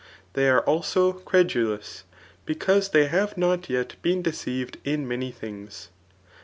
They are also credulous^ because they have not yet been decaved in many things.